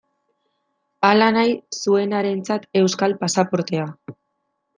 Hala nahi zuenarentzat euskal pasaportea.